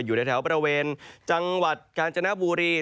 อยู่ในแถวบริเวณจังหวัดกาญจนบุรี